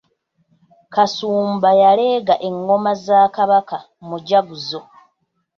Kasumba y'aleega engoma za Kabaka, mujaguzo.